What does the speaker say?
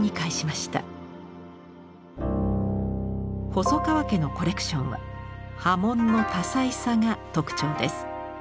細川家のコレクションは刃文の多彩さが特徴です。